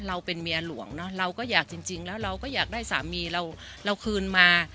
เราเป็นเมียหลวงเนอะเราก็อยากจริงแล้วเราก็อยากได้สามีเราคืนมา